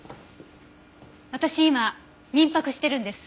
私今民泊してるんです。